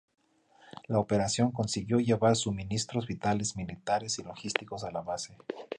La operación consiguió llevar suministros vitales militares y logísticos a la base.